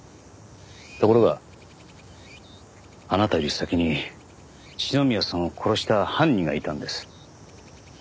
ところがあなたより先に篠宮さんを殺した犯人がいたんです。